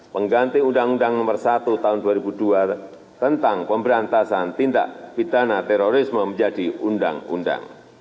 pengganti undang undang nomor satu tahun dua ribu dua tentang pemberantasan tindak pidana terorisme menjadi undang undang